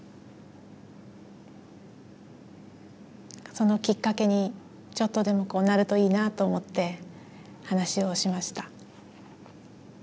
そのきっかけにちょっとでもなるといいなと思って話をしました。